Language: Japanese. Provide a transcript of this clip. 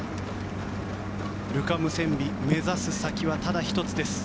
ルカ・ムセンビ目指す先はただ１つです。